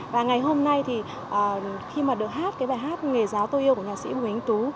và ngày hôm nay khi được hát bài hát người giáo tôi yêu của nhà sĩ bùi anh tú